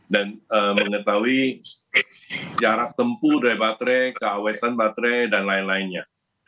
dan mengetahui jarak tempuh dari baterai keawetan baterai dan lain lainnya